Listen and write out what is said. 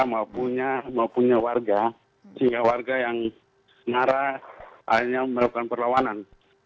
maupunnya warga sehingga warga yang ngarah akhirnya melakukan perlawanan